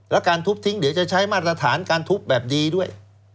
แล้วการทุบทิ้งเดี๋ยวจะใช้มาตรฐานการทุบแบบดีด้วย